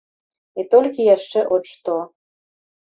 І толькі яшчэ от што.